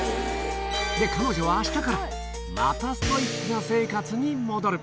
彼女はあしたからまたストイックな生活に戻る。